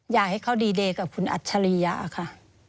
อยากให้เขาดีเดย์กับคุณอัจฉริยะค่ะ